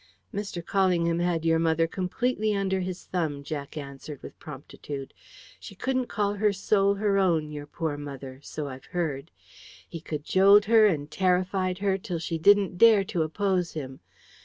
"Mr. Callingham had your mother completely under his thumb," Jack answered with promptitude. "She couldn't call her soul her own, your poor mother so I've heard: he cajoled her and terrified her till she didn't dare to oppose him.